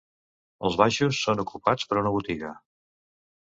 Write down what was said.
Els baixos són ocupats per una botiga.